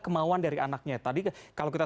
kemauan dari anaknya tadi kalau kita